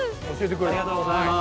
ありがとうございます。